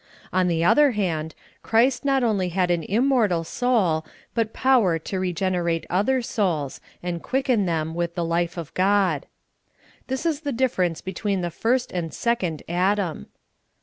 On the other hand, Christ not only had an immortal soul, but power to regenerate other souls, and quicken them with the life of God. This is the difference betw^een the first and second Adam.